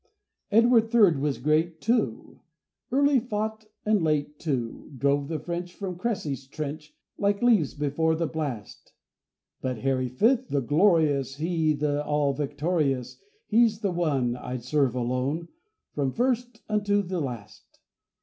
Edward Third was great, too, Early fought and late, too; Drove the French From Cressy's trench Like leaves before the blast. But Harry Fifth, the glorious, He the all victorious, He's the one I'd serve alone, From first unto the last.